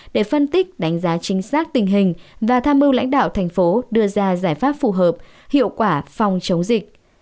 để phân tích đánh giá chính xác tình hình và tham mưu lãnh đạo thành phố đưa ra giải pháp phù hợp hiệu quả phòng chống dịch